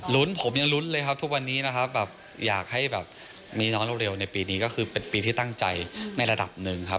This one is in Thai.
ผมยังลุ้นเลยครับทุกวันนี้นะครับแบบอยากให้แบบมีน้องเร็วในปีนี้ก็คือเป็นปีที่ตั้งใจในระดับหนึ่งครับ